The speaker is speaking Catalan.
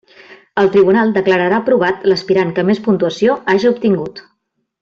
El tribunal declararà aprovat l'aspirant que més puntuació haja obtingut.